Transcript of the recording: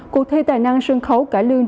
cuộc thi tài năng sân khấu cải lương